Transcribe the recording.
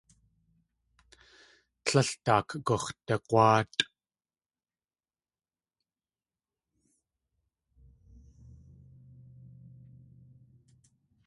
Tlél daak gux̲dag̲wáatʼ.